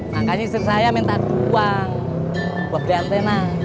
makanya istri saya minta uang buat beli antena